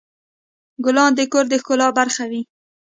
ګلان د کور د ښکلا برخه وي.